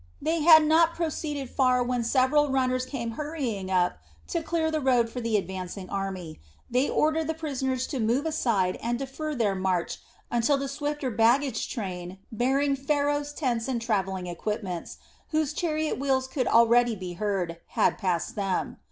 They had not proceeded far when several runners came hurrying up to clear the road for the advancing army. They ordered the prisoners to move aside and defer their march until the swifter baggage train, bearing Pharaoh's tents and travelling equipments, whose chariot wheels could already be heard, had passed them.